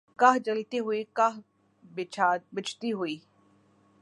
گاہ جلتی ہوئی گاہ بجھتی ہوئی